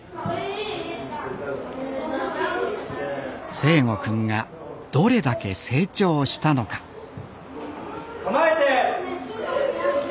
誠心くんがどれだけ成長したのかかまえて。